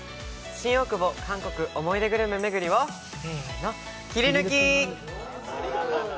新大久保韓国思い出グルメ巡りをせーのキリヌキ！